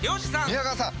宮川さん